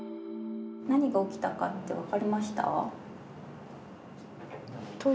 何が起きたかって分かりました？